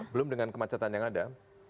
belum dengan kemacetan yang ada